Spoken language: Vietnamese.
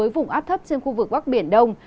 vùng áp thấp trên khu vực bắc biển đông